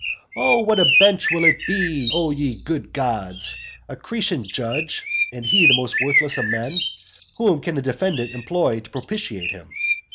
And what a bench will it be, O ye good gods! A Cretan judge, and he the most worthless of men. Whom can a defendant employ to propitiate him?